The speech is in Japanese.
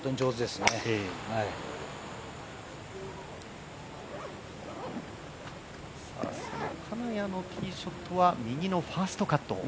その金谷のティーショットは右のファーストカット。